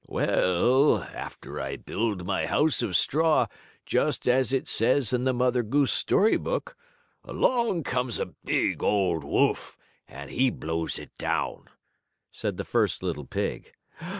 "Well, after I build my house of straw, just as it says in the Mother Goose story book, along comes a bad old wolf, and he blows it down," said the first little pig.